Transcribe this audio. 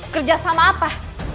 kerja sama apa